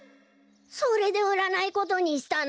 それでうらないことにしたの？